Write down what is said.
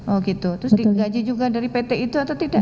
oh gitu terus digaji juga dari pt itu atau tidak